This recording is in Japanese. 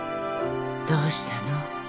どうしたの？